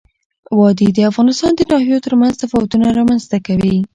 وادي د افغانستان د ناحیو ترمنځ تفاوتونه رامنځ ته کوي.